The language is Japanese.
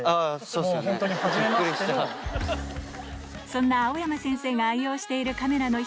そんな青山先生が愛用しているカメラの１つがこちらの